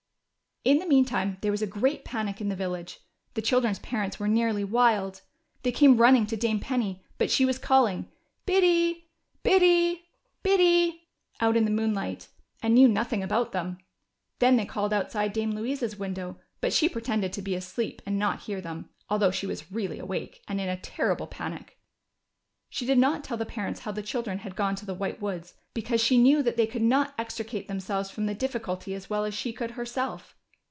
In the meantime there was a great panic in the village ; the children's parents were nearly wild. They came running to Dame Penny, but she was calling Biddy, Biddy, Biddy," out in the moonlight, and knew nothing about them. Then they called outside Dame Louisa's window, but she pretended to be asleep and not hear them, although she was really awake, and in a terrible panic. She did not tell the parents how the children had gone to the White Woods, because she knew that they could not extricate them from the difficulty as well as she could herself.